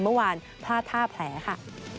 เมื่อวานพลาดท่าแผลค่ะ